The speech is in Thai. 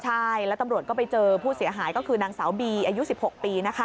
ใช่แล้วตำรวจก็ไปเจอผู้เสียหายก็คือนางสาวบีอายุ๑๖ปี